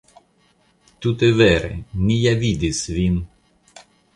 Tute vere, ni ja vidis vin.